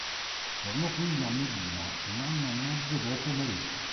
Tornò quindi a Medina e un anno e mezzo dopo morì.